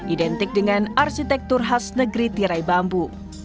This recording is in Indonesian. identik dengan arsitektur khas negeri tirai bambu